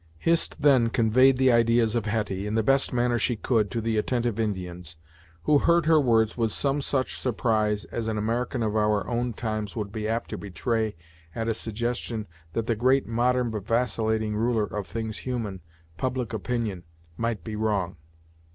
Hist then conveyed the ideas of Hetty, in the best manner she could, to the attentive Indians, who heard her words with some such surprise as an American of our own times would be apt to betray at a suggestion that the great modern but vacillating ruler of things human, public opinion, might be wrong.